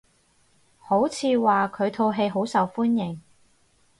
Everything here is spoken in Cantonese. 好似話佢套劇好受歡迎？